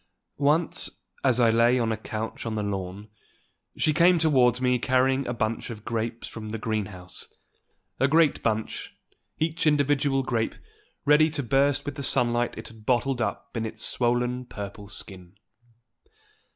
Once, as I lay on a couch on the lawn, she came towards me carrying a bunch of grapes from the greenhouse, a great bunch, each individual grape ready to burst with the sunlight it had bottled up in its swollen purple skin.